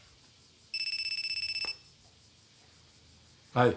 はい。